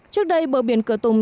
trước đây bờ biển cửa tùng